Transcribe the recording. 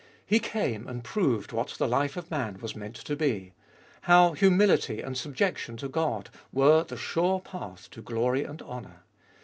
He came and proved what the life of man was meant to be — how humility and subjection to God were the sure path to glory and honour.